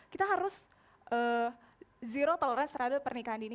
kita harus zero tolerance terhadap pernikahan dini